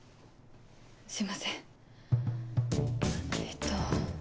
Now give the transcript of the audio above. すいませんえっと。